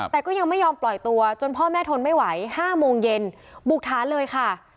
แต่ก็ยังไม่ยอมปล่อยตัวจนพ่อแม่ทนไม่ไหว๕โมงเย็นบุกท้าเลยค่ะ